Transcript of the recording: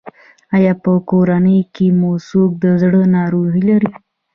ایا په کورنۍ کې مو څوک د زړه ناروغي لري؟